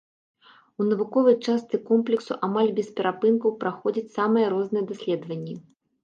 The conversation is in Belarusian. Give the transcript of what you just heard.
У навуковай частцы комплексу амаль без перапынкаў праходзяць самыя розныя даследаванні.